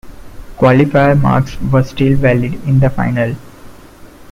Qualifier marks were still valid in the final.